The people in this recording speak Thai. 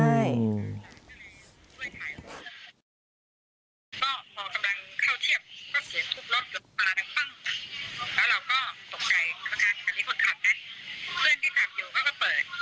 เพื่อนที่กลับอยู่เขาก็เปิดแล้วหมอก็อธิบายเขาว่าเราจะมาโรงแรมตรงนี้จะมาพัก